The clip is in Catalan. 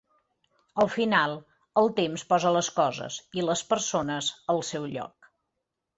Al final, el temps posa les coses -i les persones- al seu lloc.